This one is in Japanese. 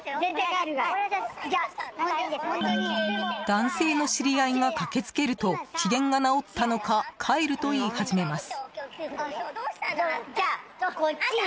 男性の知り合いが駆けつけると機嫌が直ったのか帰ると言い始めます。